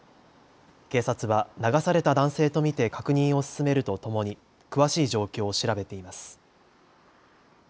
警察は流された男性と見て確認を進めるとともに詳しい状況を調べています。